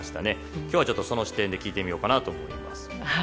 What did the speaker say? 今日はちょっとその視点で聴いてみようかなと思います。